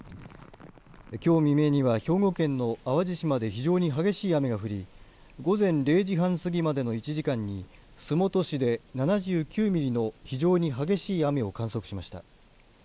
きょう未明には兵庫県の淡路島で非常に激しい雨が降り午前０時半過ぎまでの１時間に洲本市で７９ミリの非常に激しい雨を観測しました。